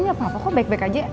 gak apa apa kok baik baik aja